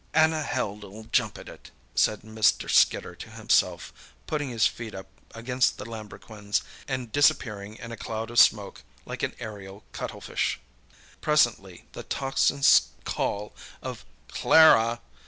"Anna Held'll jump at it," said Mr. Skidder to himself, putting his feet up against the lambrequins and disappearing in a cloud of smoke like an aerial cuttlefish. Presently the tocsin call of "Clara!"